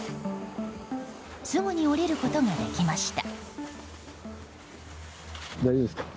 すぐに下りることができました。